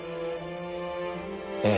ええ。